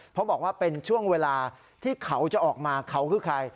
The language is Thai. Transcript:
เพราะบอกว่าเป็นช่วงเวลาที่เขาจะออกมาเขาคือใคร